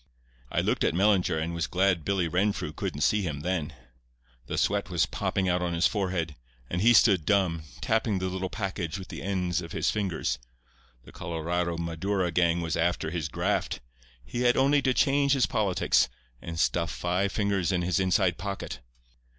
I looked at Mellinger, and was glad Billy Renfrew couldn't see him then. The sweat was popping out on his forehead, and he stood dumb, tapping the little package with the ends of his fingers. The colorado maduro gang was after his graft. He had only to change his politics, and stuff five fingers in his inside pocket.